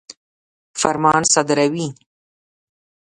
فرمان صادروي.